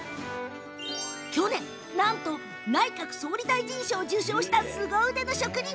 去年、内閣総理大臣賞を受賞したすご腕の職人。